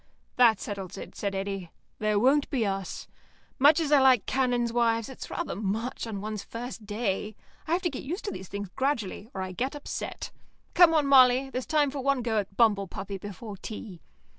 "That settles it," said Eddy. "There won't be us. Much as I like canons' wives, it's rather much on one's very first day. I have to get used to these things gradually, or I get upset. Come on, Molly, there's time for one go at bumble puppy before tea."